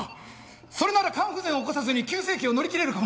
それなら肝不全を起こさずに急性期を乗り切れるかも。